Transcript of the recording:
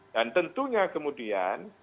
dan tentunya kemudian